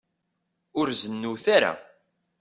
Ur zennut ara.